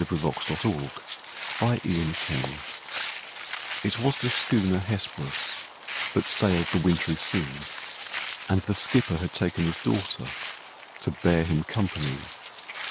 THE WRECK OF THE HESPERUS It was the schooner Hesperus, That sailed the wintry sea; And the skipper had taken his little daughter, To bear him company.